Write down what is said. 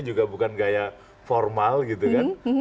juga bukan gaya formal gitu kan